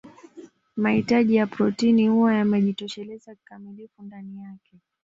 Mahitaji ya protini huwa yamejitosheleza kikamilifu ndani yake